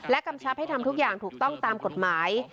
กำชับให้ทำทุกอย่างถูกต้องตามกฎหมาย